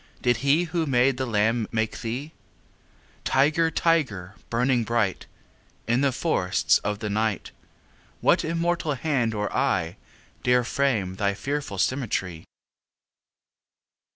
Did He who made the lamb make thee? 20 Tiger, tiger, burning bright In the forests of the night, What immortal hand or eye Dare frame thy fearful symmetry?